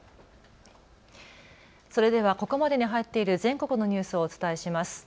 それではここまでに入っている全国のニュースをお伝えします。